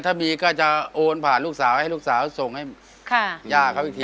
ถ้ามีก็จะโอนผ่านลูกสาวให้ลูกสาวส่งให้ย่าเขาอีกที